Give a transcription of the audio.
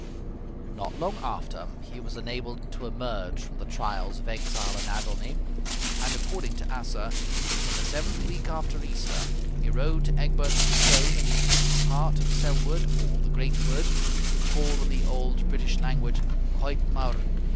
Not long after he was enabled to emerge from the trials of exile in Athelney; and according to Asser, "In the seventh week after Easter, he rode to Egbert's Stone in the eastern part of Selwood or the Great Wood, called in the old British language Coit mawr.